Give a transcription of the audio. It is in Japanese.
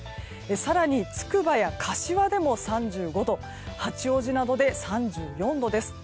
更に、つくばや柏でも３５度八王子などで３４度です。